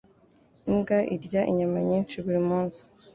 Imbwa irya inyama nyinshi buri munsi.